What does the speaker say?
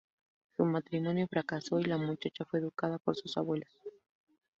Su matrimonio fracasó y la muchacha fue educada por sus abuelos.